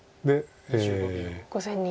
５線に。